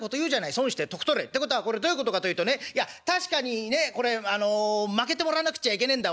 『損して得取れ』。ってことはこれどういうことかというとねいや確かにねこれまけてもらわなくっちゃいけねえんだ